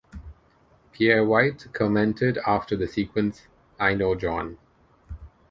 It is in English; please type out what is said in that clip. Pierre White commented after the sequence, I know John.